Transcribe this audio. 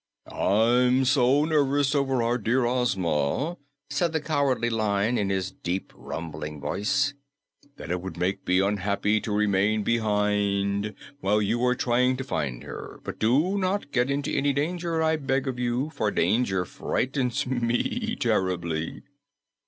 "I'm so nervous over our dear Ozma," said the Cowardly Lion in his deep, rumbling voice, "that it would make me unhappy to remain behind while you are trying to find her. But do not get into any danger, I beg of you, for danger frightens me terribly."